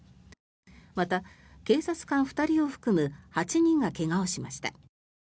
また、警察官２人を含む８人が怪我をしました。